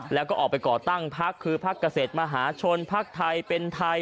แล้วก็ออกไปก่อตั้งพักคือพักเกษตรมหาชนพักไทยเป็นไทย